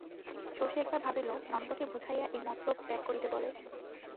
শশী একবার ভাবিল, নন্দকে বুঝাইয়া এ মতলব ত্যাগ করিতে বলে।